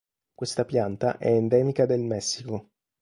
Questa pianta è endemica del Messico.